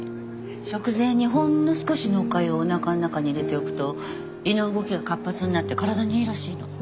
食前にほんの少しのおかゆをおなかの中に入れておくと胃の動きが活発になって体にいいらしいの。